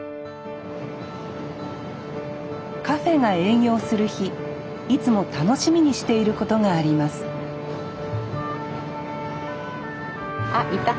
カフェが営業する日いつも楽しみにしていることがありますあいた！